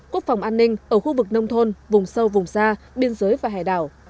quốc phòng an ninh ở khu vực nông thôn vùng sâu vùng xa biên giới và hải đảo